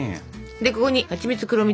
でここにはちみつ黒蜜